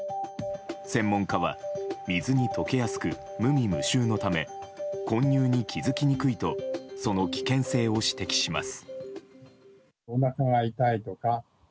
専門家は水に溶けやすく無味無臭のため混入に気づきにくいとその危険性を指摘します。